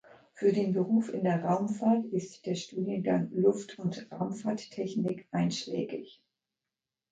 Für einen Beruf in der Raumfahrt ist der Studiengang Luft- und Raumfahrttechnik einschlägig.